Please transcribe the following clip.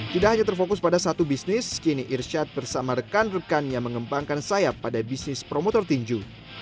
tidak hanya terfokus pada satu bisnis kini irsyad bersama rekan rekannya mengembangkan sayap pada bisnis promotor tinju